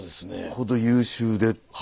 ほど優秀でって。